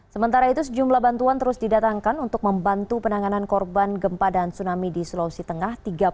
sementara itu sejumlah bantuan terus didatangkan untuk membantu penanganan korban gempa dan tsunami di sulawesi tengah